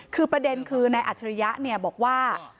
คือประเด็นคือนายอัจฉริยะบอกว่า